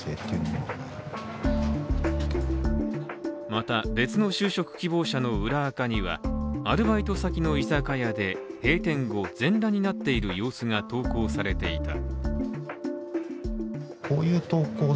また、別の就職希望者の裏アカにはアルバイト先の居酒屋で、閉店後全裸になっている様子が投稿されていた。